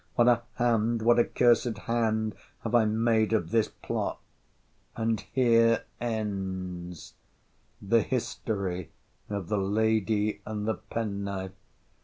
What a hand, what a cursed hand, have I made of this plot!—And here ends The history of the lady and the penknife!